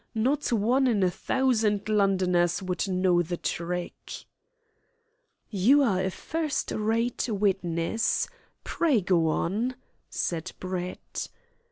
Not one in a thousand Londoners would know the trick." "You are a first rate witness. Pray go on," said Brett.